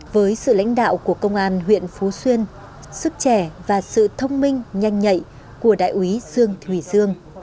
với sự lãnh đạo của công an huyện phú xuyên sức trẻ và sự thông minh nhanh nhạy của đại úy dương thủy dương